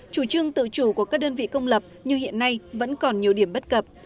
chủ trương tự chủ của các đơn vị công lập như hiện nay vẫn còn nhiều điểm bất cập